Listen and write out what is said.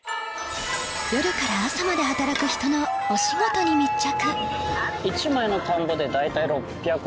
夜から朝まで働く人のお仕事に密着